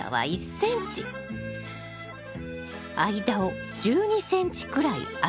間を１２ｃｍくらい空けてね。